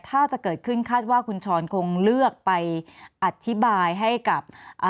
ถ้าจะเกิดขึ้นคาดว่าคุณชรคงเลือกไปอธิบายให้กับ